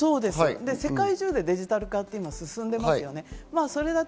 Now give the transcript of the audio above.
世界中でデジタル化が進んでいます。